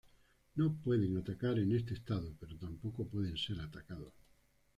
No pueden atacar en este estado pero tampoco pueden ser atacados.